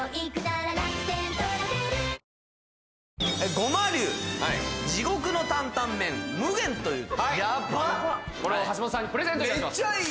護摩龍地獄の担々麺無限というやばっこれを橋本さんにプレゼントいたします